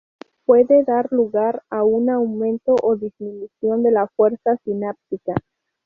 Puede dar lugar a un aumento o disminución de la fuerza sináptica.